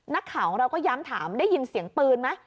นักข่าวของเราก็ย้ำถามได้ยินเสียงปืนไหม